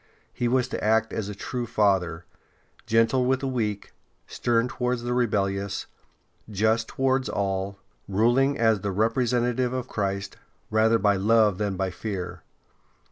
He was to act as a true father, gentle with the weak, stern towards the rebellious, just towards all, ruling as the representative of Christ, rather by love than by fear.